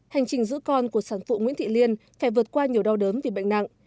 hành trình giữ con của sản phụ nguyễn thị liên phải vượt qua nhiều đau đớn vì bệnh nặng